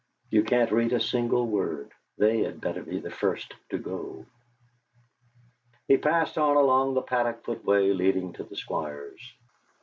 You can't read a single word. They'd better be the first to go.' He passed on along the paddock footway leading to the Squire's.